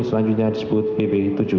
selanjutnya disebut bb tujuh